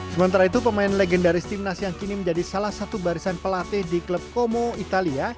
sementara itu pemain legendaris timnas yang kini menjadi salah satu barisan pelatih di klub como italia